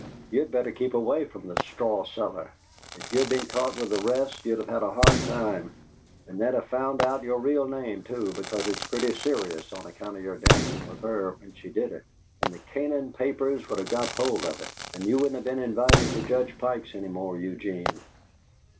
You'd better keep away from the 'Straw Cellar.' If you'd been caught with the rest you'd have had a hard time, and they'd have found out your real name, too, because it's pretty serious on account of your dancing with her when she did it, and the Canaan papers would have got hold of it and you wouldn't be invited to Judge Pike's any more, Eugene."